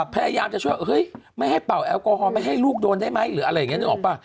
พยายามจะช่วยเฮ้ยไม่ให้เป่าแอลกอฮอลไม่ให้ลูกโดนได้ไหมหรืออะไรอย่างนี้นึกออกป่ะ